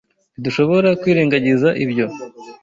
Ntidushobora kwirengagiza ibyo.